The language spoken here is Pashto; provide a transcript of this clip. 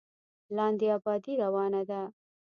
لاندې ابادي روانه ده.